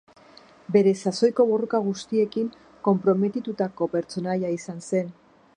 Bere sasoiko borroka guztiekin konprometitutako pertsonaia izan zen.